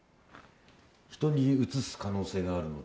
人にうつす可能性があるので